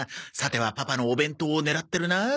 さてはパパのお弁当を狙ってるな？